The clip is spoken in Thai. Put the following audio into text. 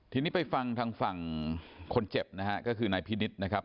ทีนี้ไปฟังทางฝั่งคนเจ็บนะฮะก็คือนายพินิษฐ์นะครับ